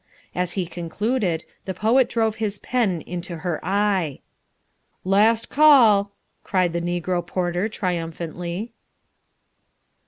As he concluded, the poet drove his pen into her eye. "Last call!" cried the negro porter triumphantly.